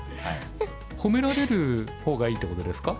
褒められる方がいいってことですか？